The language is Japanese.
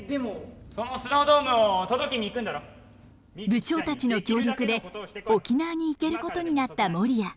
部長たちの協力で沖縄に行けることになったモリヤ。